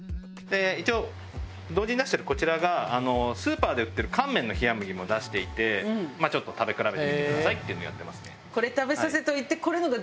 一応同時に出してるこちらがスーパーで売ってる乾麺の冷麦も出していてちょっと食べ比べてみてくださいっていうのをやってますね。